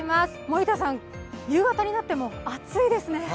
森田さん、夕方になっても暑いですね。